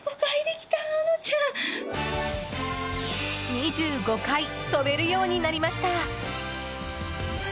２５回跳べるようになりました！